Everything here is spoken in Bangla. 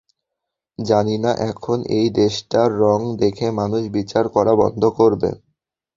জানিনা কখন এই দেশটা রং দেখে মানুষ বিচার করা বন্ধ করবে!